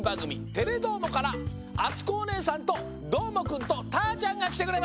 「テレどーも！」からあつこおねえさんとどーもくんとたーちゃんがきてくれました！